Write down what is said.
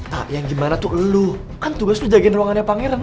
tak yang gimana tuh lu kan tugas lu jagain ruangannya pangeran